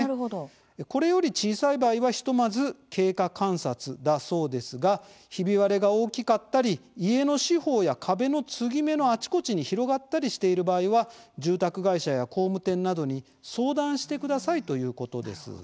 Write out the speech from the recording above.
これより小さい場合はひとまず経過観察だそうですがひび割れが大きかったり家の四方や壁の継ぎ目のあちこちに広がったりしている場合は住宅会社や工務店などに相談してくださいということです。